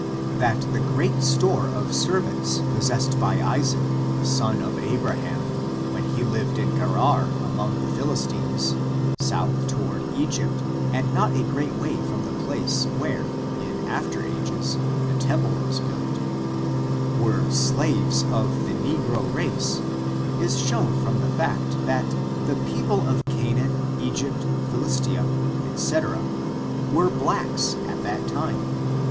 That the great store of servants possessed by Isaac, the son of Abraham, when he lived in Gerar, among the Philistines (south toward Egypt and not a great way from the place where, in after ages, the temple was built), were slaves of the negro race, is shown from the fiwst, that the people of Canaan, Egypt Philistia 166 ORIGIN, CHARACTER| AND &c^ were blacks at that time.